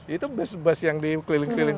itu bus bus yang di keliling keliling